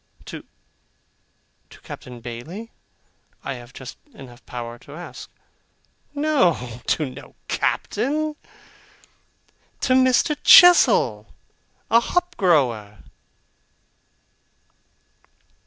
'To to Captain Bailey?' I have just enough power to ask. 'No; to no Captain. To Mr. Chestle, a hop grower.